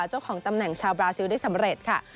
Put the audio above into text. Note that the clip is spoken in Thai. เจ้าของตำแหน่งชาวบราซิลได้สำเร็จค่ะ